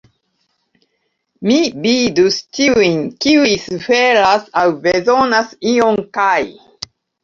Mi vidus ĉiujn, kiuj suferas aŭ bezonas ion kaj.